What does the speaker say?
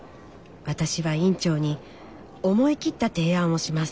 私は院長に思い切った提案をします。